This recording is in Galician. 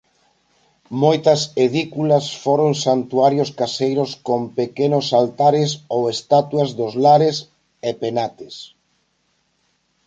Moitas edículas foron santuarios caseiros con pequenos altares ou estatuas dos Lares e Penates.